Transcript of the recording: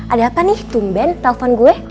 ada apa nih tumben telpon gue